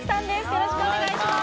よろしくお願いします